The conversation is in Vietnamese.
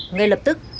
ngay lập tức